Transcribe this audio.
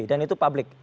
dan itu publik